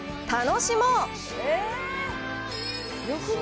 楽しもう！